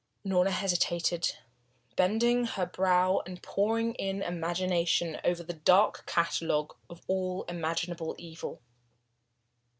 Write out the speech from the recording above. Unorna hesitated, bending her brows and poring in imagination over the dark catalogue of all imaginable evil.